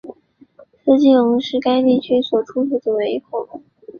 斯基龙是该地区所出土的唯一恐龙。